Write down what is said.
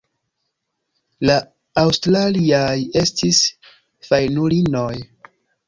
La aŭstraliaj estis fajnulinoj.